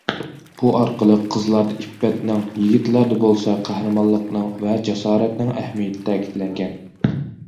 بۇ ئارقىلىق قىزلاردا ئىپپەتنىڭ، يىگىتلەردە بولسا قەھرىمانلىقنىڭ ۋە جاسارەتنىڭ ئەھمىيىتى تەكىتلەنگەن.